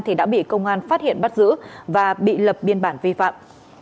thì đã bị công an phát hiện bắt giữ và bị lập biên bản vi phạm